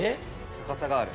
高さがある。